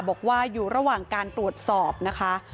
บอกว่าอยู่ระหว่างการตรวจสอบนะคะ